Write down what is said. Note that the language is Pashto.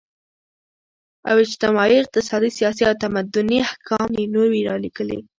او اجتماعي، اقتصادي ، سياسي او تمدني احكام ئي نوي راليږلي